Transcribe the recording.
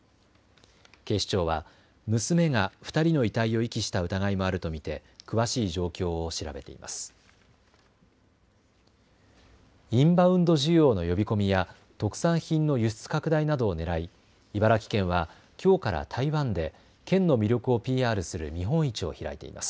警視庁は娘が２人の遺体を遺棄した疑いもあると見て詳しい状況を調べています。